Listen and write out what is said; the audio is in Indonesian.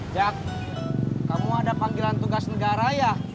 jak kamu ada panggilan tugas negara ya